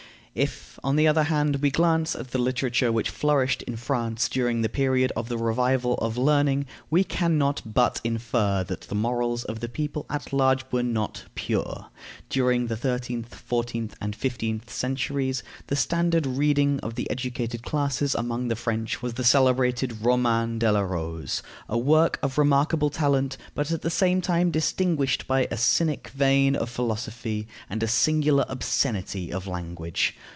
If, on the other hand, we glance at the literature which flourished in France during the period of the revival of learning, we can not but infer that the morals of the people at large were not pure. During the thirteenth, fourteenth, and fifteenth centuries, the standard reading of the educated classes among the French was the celebrated Roman de la Rose, a work of remarkable talent, but, at the same time, distinguished by a cynic vein of philosophy and a singular obscenity of language.